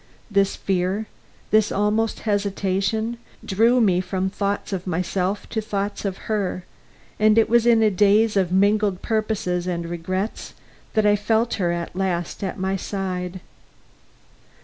This fear, this almost hesitation, drew me from thoughts of myself to thoughts of her, and it was in a daze of mingled purposes and regrets that I felt her at last at my side.